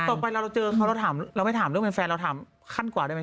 ต่อไปเราไม่ถามเรื่องเป็นแฟนเราถามคันต์กร่างด้วยไหม